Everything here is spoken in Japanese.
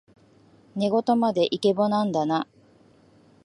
寝言までイケボなんだな